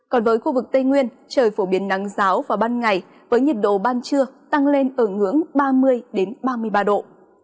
còn với khu vực tây nguyên trời phổ biến nắng giáo vào ban ngày với nhiệt độ ban trưa tăng lên ở ngưỡng ba mươi ba mươi ba độ